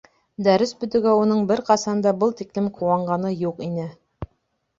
Дәрес бөтөүгә уның бер ҡасан да был тиклем ҡыуанғаны юҡ ине.